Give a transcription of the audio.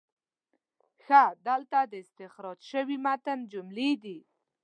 ښه، دلته د استخراج شوي متن جملې دي: